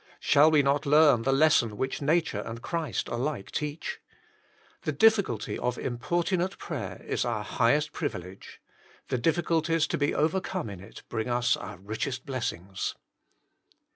Shall we not learn the lesson which nature and Christ alike teach ? The diffi culty of importunate prayer is our highest privi BECAUSE OF HIS IMP011TUNITY 49 lege ; the difficulties to be overcome in it bring is our richest blessings.